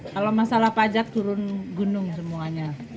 kalau masalah pajak turun gunung semuanya